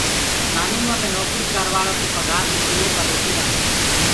ڪآنوُنو مي نوڪري ڪروآݪڪوُ پگھآر ملدي هي پر روٽي نآ۔